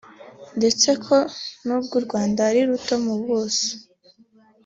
ndetse ko nubwo u Rwanda ari ruto mu buso